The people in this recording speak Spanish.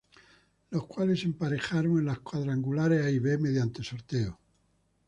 Los cuales se emparejaron en los cuadrangulares A y B mediante sorteo.